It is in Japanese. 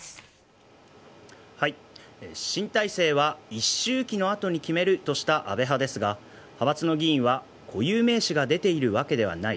新体制は一周忌の後に決めるとした安倍派ですが派閥の議員は固有名詞が出ているわけではない。